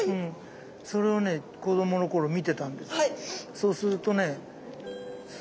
そうするとねその。